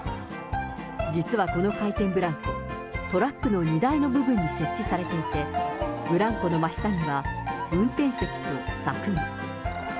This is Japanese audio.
実はこの回転ブランコ、トラックの荷台の部分に設置されていて、ブランコの真下には運転席と柵が。